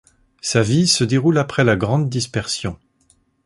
Sa vie se déroule après la Grande Dispersion.